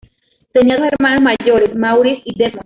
Tenía dos hermanos mayores Maurice y Desmond.